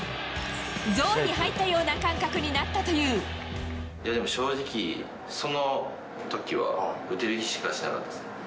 ゾーンに入ったような感覚になっでも正直、そのときは打てる気しかしなかったですね。